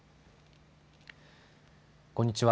こんにちは。